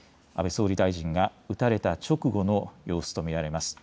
安倍総理大臣が撃たれた直後の様子と見られます。